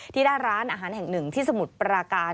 หน้าร้านอาหารแห่งหนึ่งที่สมุทรปราการ